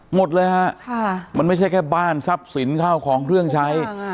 หมดเลยฮะมันไม่ใช่แค่บ้านทรัพย์สินข้าวของเครื่องใช้